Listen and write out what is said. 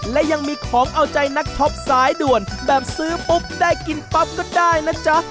และยังมีของเอาใจนักช็อปสายด่วนแบบซื้อปุ๊บได้กินปั๊บก็ได้นะจ๊ะ